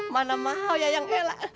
mana mau ya yang elak